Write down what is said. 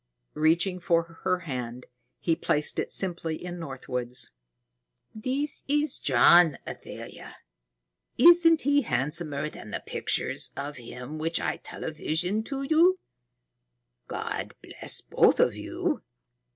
Reaching for her hand, he placed it simply in Northwood's. "This is John, Athalia. Isn't he handsomer than the pictures of him which I televisioned to you? God bless both of you."